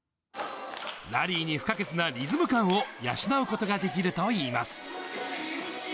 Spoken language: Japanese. ラリーに不可欠なリズム感を養うことができるといいます。